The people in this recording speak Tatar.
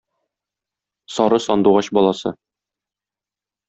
Сары сандугач баласы